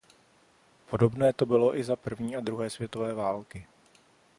Podobné to bylo i za první a druhé světové války.